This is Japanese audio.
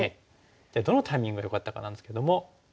じゃあどのタイミングがよかったかなんですけども。